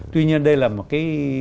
tuy nhiên đây là một cái